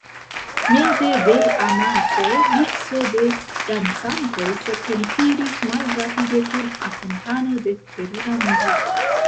Meze de l' amaso, vico de dancantoj serpentiris malrapide kun akompano de terura muziko.